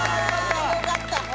よかった。